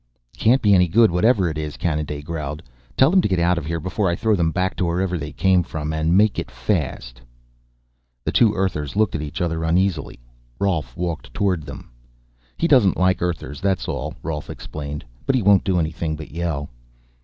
"Can't be any good, whatever it is," Kanaday growled. "Tell them to get out of here before I throw them back to wherever they came from. And make it fast." The two Earthers looked at each other uneasily. Rolf walked toward them. "He doesn't like Earthers, that's all," Rolf explained. "But he won't do anything but yell."